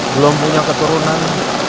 belum punya keturunan